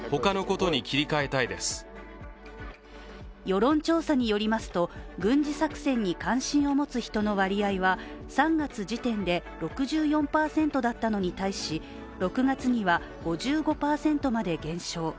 世論調査によりますと、軍事作戦に関心を持つ人の割合は３月時点で６４％だったのに対し、６月には５５％まで減少。